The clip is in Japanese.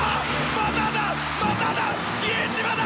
まただ、まただ、比江島だ！